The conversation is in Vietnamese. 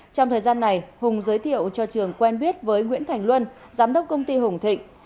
trong thời gian này hùng giới thiệu cho trường quen biết với nguyễn thành luân giám đốc công ty hùng thịnh